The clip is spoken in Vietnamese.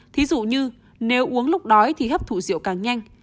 thí dụ như nếu uống lúc đói thì hấp thụ rượu càng nhanh